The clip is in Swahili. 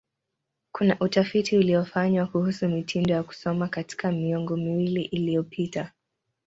Kuna utafiti uliofanywa kuhusu mitindo ya kusoma katika miongo miwili iliyopita.